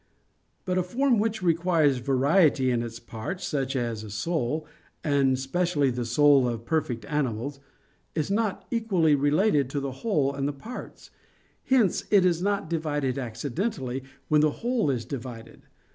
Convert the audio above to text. But a form which requires variety in the parts, such as a soul, and specially the soul of perfect animals, is not equally related to the whole and the parts: hence it is not divided accidentally when the whole is divided.